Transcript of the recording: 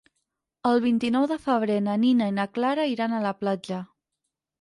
El vint-i-nou de febrer na Nina i na Clara iran a la platja.